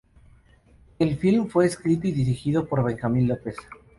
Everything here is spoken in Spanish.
El filme fue escrito y dirigido por Benjamín López.